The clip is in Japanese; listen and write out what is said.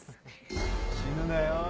死ぬなよ？